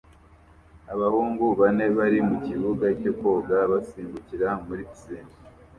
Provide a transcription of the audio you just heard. Abahungu bane bari mukibuga cyo koga basimbukira muri pisine